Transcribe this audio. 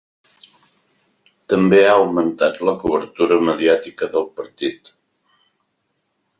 També ha augmentat la cobertura mediàtica del partit.